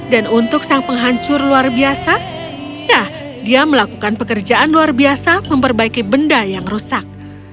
untuk sang penghancur luar biasa ya dia melakukan pekerjaan luar biasa memperbaiki benda yang rusak